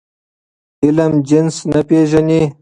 علم جنس نه پېژني.